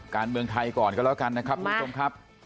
การเมืองไทยก่อนก็แล้วกันนะครับทุกผู้ชมครับ